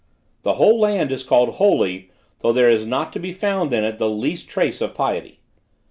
The whole land is called 'holy,' although there is not to be found in it the least trace of piety.